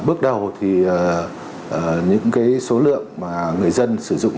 bước đầu thì những cái số lượng mà người dân sử dụng